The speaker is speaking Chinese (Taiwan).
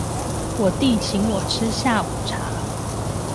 我弟請我吃下午茶